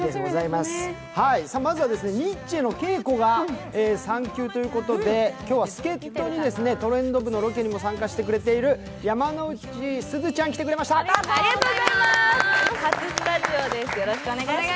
まずはニッチェの敬子が産休ということで今日は助っとにトレンド部のロケにも参加してくれている山之内すずちゃん、来てくれました